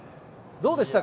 どうでしたか？